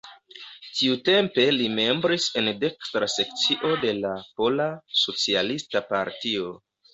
Tiutempe li membris en dekstra sekcio de la pola, socialista partio.